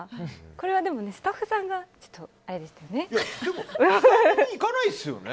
これはでもスタッフさんがあれでしたよね。